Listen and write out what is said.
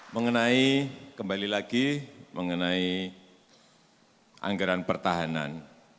mengenai kembali lagi mengenai anggaran pertahanan